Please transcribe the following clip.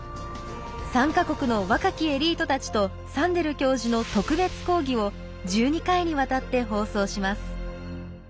３か国の若きエリートたちとサンデル教授の特別講義を１２回にわたって放送します。